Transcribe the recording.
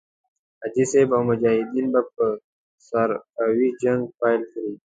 حاجي صاحب او مجاهدین به په سرکاوي جنګ پيل کړي.